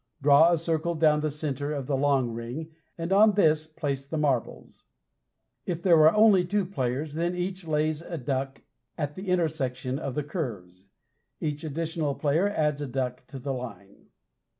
Draw a circle down the center of the long ring, and on this place the marbles. If there are only two players, then each lays a duck at the intersection of the curves. Each additional player adds a duck to the line.